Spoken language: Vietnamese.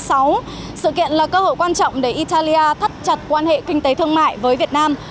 sự kiện là cơ hội quan trọng để italia thắt chặt quan hệ kinh tế thương mại với việt nam